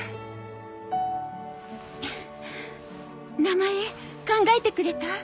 名前考えてくれた？